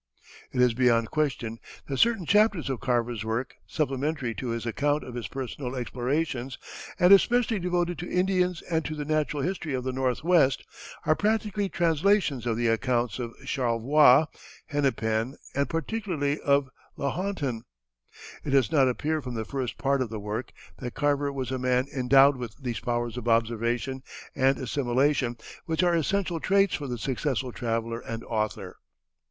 It is beyond question that certain chapters of Carver's work, supplementary to his account of his personal explorations, and especially devoted to Indians and to the natural history of the Northwest, are practically translations of the accounts of Charlevoix, Hennepin, and particularly of Lahontan. It does not appear from the first part of the work that Carver was a man endowed with those powers of observation and assimilation which are essential traits for the successful traveller and author.